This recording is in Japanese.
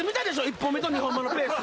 １本目と２本目のペース。